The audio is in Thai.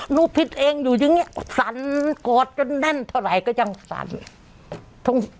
หนูผิดเองอยู่อย่างเงี้ยสั่นโกรธกันแน่นเท่าไรก็ยังสั่น